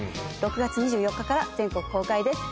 ６月２４日から全国公開です